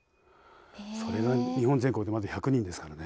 それが日本全国でまだ１００人ですからね。